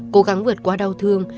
cố gắng vượt qua đau thương